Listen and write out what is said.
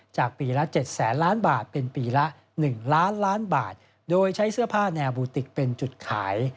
จากปีละ๗แสนล้านบาทเป็นปีละ๑ล้านล้านบาทโดยใช้เสื้อผ้าแนวบูติกเป็นจุดขาย